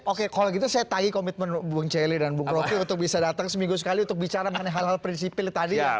oke kalau gitu saya tagih komitmen bung celi dan bung roky untuk bisa datang seminggu sekali untuk bicara mengenai hal hal prinsipil tadi